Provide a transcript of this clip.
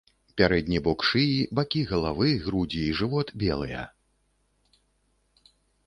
Пярэдні бок шыі, бакі галавы, грудзі і жывот белыя.